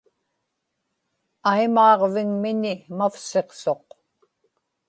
aimaaġvigmiñi mavsiqsuq